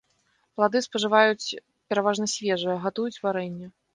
Плады спажываюць пераважна свежыя, гатуюць варэнне.